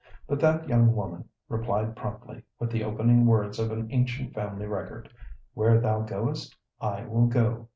But that young woman replied promptly, with the opening words of an ancient family record, "Where thou goest, I will go."